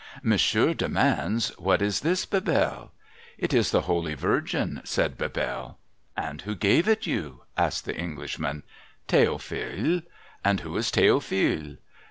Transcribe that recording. ' Monsieur demands, what is this, Bebelle ?'' It is the Holy Virgin,' said Bebelle. ' And who gave it you ?' asked the Englishman ' The'ophile.' ' And who is Theoi)hile